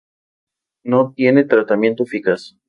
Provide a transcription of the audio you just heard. No tiene tratamiento eficaz.